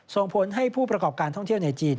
ส่งผลให้ผู้ประกอบการท่องเที่ยวในจีน